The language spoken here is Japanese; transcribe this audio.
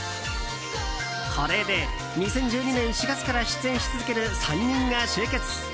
これで２０１２年４月から出演し続ける３人が集結。